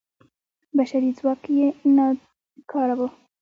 بشري ځواک یې ناکاره و.